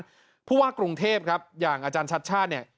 เพราะว่ากรุงเทพครับอย่างอาจารย์ชัชช่า